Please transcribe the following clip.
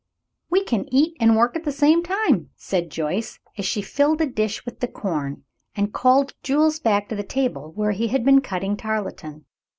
"We can eat and work at the same time," said Joyce, as she filled a dish with the corn, and called Jules back to the table, where he had been cutting tarletan.